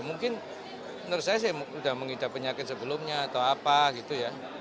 mungkin menurut saya sih sudah mengidap penyakit sebelumnya atau apa gitu ya